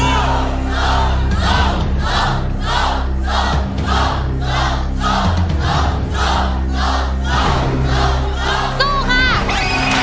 สู้ค่ะ